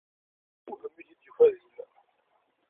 Yettewhem mi t-id-yufa din.